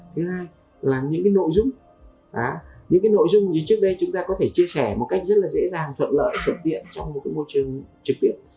thứ hai là những nội dung những cái nội dung như trước đây chúng ta có thể chia sẻ một cách rất là dễ dàng thuận lợi thuận tiện trong một môi trường trực tiếp